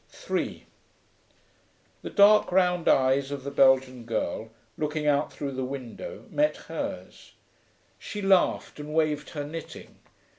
3 The dark round eyes of the Belgian girl, looking out through the window, met hers. She laughed and waved her knitting.